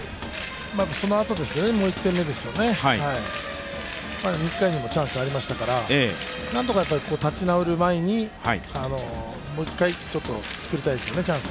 そのあともう１点目ですよね、チャンスはありましたから何とか立ち直る前に、もう一回チャンスを作りたいですよね。